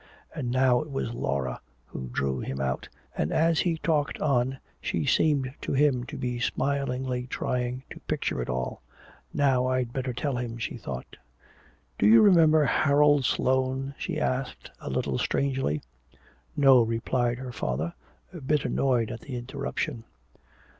And now it was Laura who drew him out, and as he talked on she seemed to him to be smilingly trying to picture it all.... "Now I'd better tell him," she thought. "Do you remember Harold Sloane?" she asked a little strangely. "No," replied her father, a bit annoyed at the interruption.